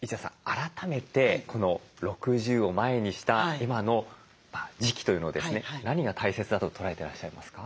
改めて６０を前にした今の時期というのをですね何が大切だと捉えてらっしゃいますか？